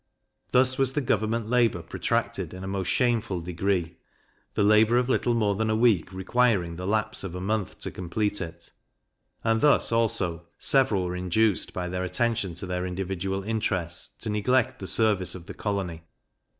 Thus was the government labour protracted in a most shameful degree; the labour of little more than a week requiring the lapse of a month to complete it; and thus, also, several were induced, by their attention to their individual interests, to neglect the service of the colony.